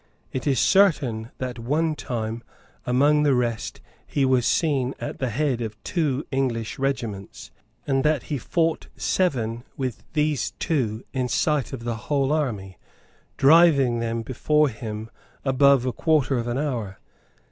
It is certain that one time, among the rest, he was seen at the head of two English regiments, and that he fought seven with these two in sight of the whole army, driving them before him above a quarter of an hour.